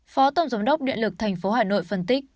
phó tổng giám đốc điện lực tp hà nội phân tích